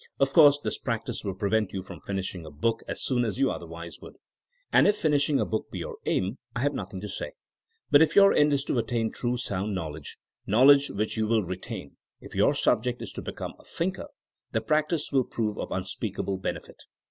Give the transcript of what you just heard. Of course this prac tice will prevent you from finishing a book as soon as you otherwise would. And if finishing a book be your aim, I have nothing to say. But if your end is to attain true, sound knowledge, knowledge which you will retain ; if your object is to become a thinker, the practice will prove of unspeakable benefit.